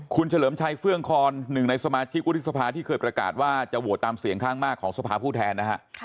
คุณเฉลิมชัยเฟื่องคอนหนึ่งในสมาชิกวุฒิสภาที่เคยประกาศว่าจะโหวตตามเสียงข้างมากของสภาผู้แทนนะฮะ